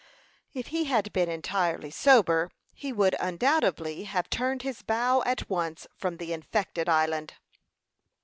If he had been entirely sober, he would undoubtedly have turned his bow at once from the infected island.